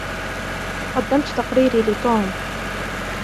قدّمتُ تقريري لتوم.